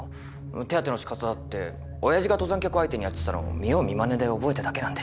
手当てのしかただって親父が登山客相手にやってたのを見よう見まねで覚えただけなんで。